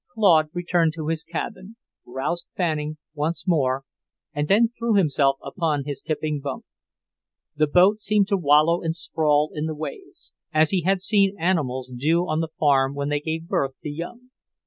Claude returned to his cabin, roused Fanning once more, and then threw himself upon his tipping bunk. The boat seemed to wallow and sprawl in the waves, as he had seen animals do on the farm when they gave birth to young.